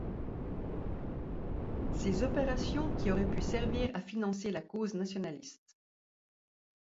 Ces opérations qui auraient pu servir à financer la cause nationaliste.